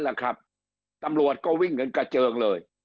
แหละครับตำรวจก็วิ่งกันกระเจิงเลย